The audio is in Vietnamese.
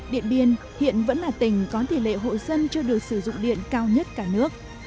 điện biên hiện vẫn là tỉnh có tỷ lệ hộ dân chưa được sử dụng điện cao nhất cả nước